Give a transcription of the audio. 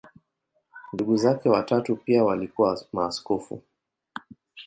Ndugu zake watatu pia walikuwa maaskofu.